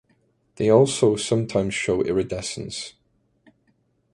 They also sometimes show iridescence.